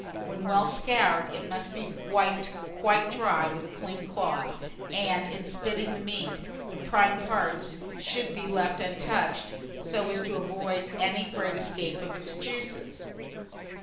When well scoured, it must be wiped quite dry with a clean cloth; and, in spitting the meat, the prime parts should be left untouched, so as to avoid any great escape of its juices.